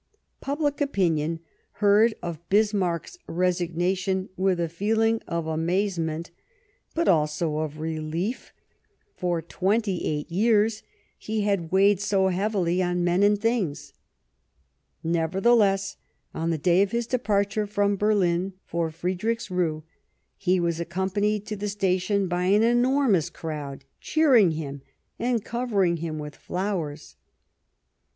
Public opinion heard of Bismarck's resignation with a feehng of amazement, but also of relief ; for twenty eight years he had weighed so heavily on men and things ! Nevertheless, on the day of his departure from Berlin for Friedrichsruh he was accompanied to the station by an enormous crowd, cheering him and covering him with flowers.